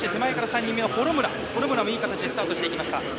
幌村も、いい形でスタートしていきました。